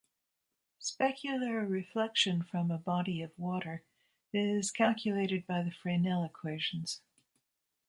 Specular reflection from a body of water is calculated by the Fresnel equations.